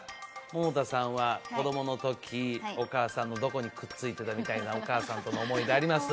百田さんは子供の時お母さんのどこにくっついてたみたいなお母さんとの思い出あります？